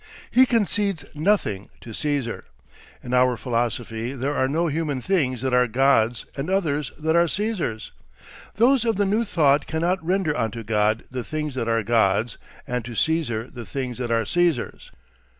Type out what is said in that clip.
He concedes nothing to Caesar. In our philosophy there are no human things that are God's and others that are Caesar's. Those of the new thought cannot render unto God the things that are God's, and to Caesar the things that are Caesar's.